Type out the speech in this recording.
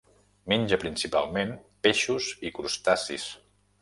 Menja principalment peixos i crustacis.